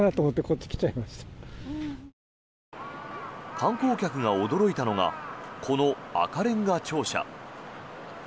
観光客が驚いたのがこの赤れんが庁舎。